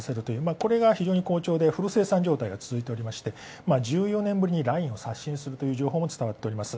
これが非常に好調で、フル生産状態が続いて１４年ぶりにラインを刷新するという情報もあります。